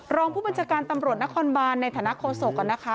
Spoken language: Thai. รองผู้บัญชาการตำรวจนครบานในฐานะโฆษกนะคะ